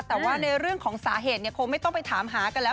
แต่ว่าในเรื่องของสาเหตุคงไม่ต้องไปถามหากันแล้ว